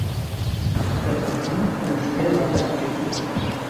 Daraufhin kann es schnell weiter abgekühlt werden.